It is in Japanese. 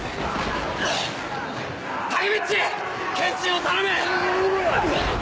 タケミっちケンチンを頼む！